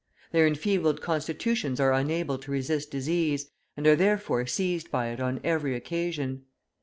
Their enfeebled constitutions are unable to resist disease, and are therefore seized by it on every occasion.